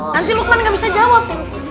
nanti lukman gak bisa jawab